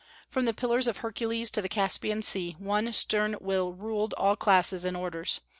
From the Pillars of Hercules to the Caspian Sea one stern will ruled all classes and orders.